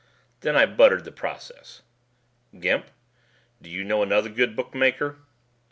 Then I buttered the process. "Gimp, do you know another good bookmaker?"